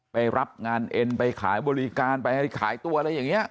ไปรับงานเอ็นไปขายบริการไปให้ขายตัวอะไรอย่างนี้